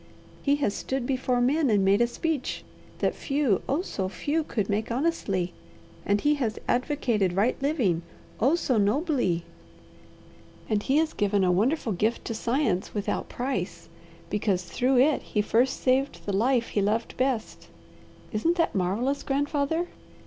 He has stood before men and made a speech that few, oh so few, could make honestly, and he has advocated right living, oh so nobly, and he has given a wonderful gift to science without price, because through it he first saved the life he loved best. Isn't that marvellous, grandfather?'